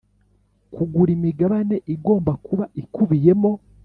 kugura imigabane igomba kuba ikubiyemo